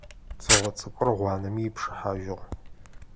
Цыгъо цӏыкӏур, гъуанэми ипшыхьажьыгъ.